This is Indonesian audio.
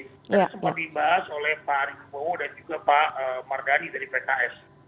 seperti yang dibahas oleh pak rimo dan juga pak mardani dari pks